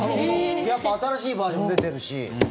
やっぱり新しいバージョン出てるし。